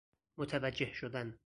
متوجه شدن